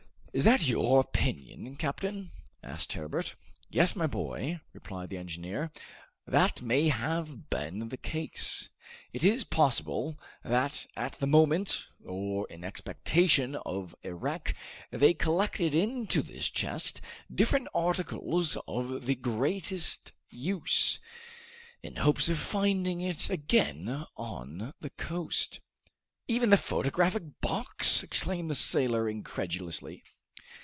"Is that your opinion, captain?" asked Herbert. "Yes, my boy," replied the engineer, "that may have been the case. It is possible that at the moment, or in expectation of a wreck, they collected into this chest different articles of the greatest use in hopes of finding it again on the coast " "Even the photographic box!" exclaimed the sailor incredulously.